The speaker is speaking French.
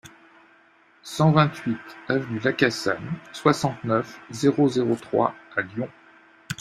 cent vingt-huit avenue Lacassagne, soixante-neuf, zéro zéro trois à Lyon